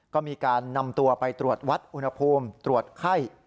ก็มีการนำตัวไปตรวจวัดอุณหภูมิตรวจไข้